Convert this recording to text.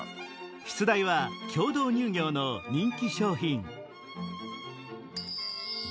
出題は協同乳業の人気商品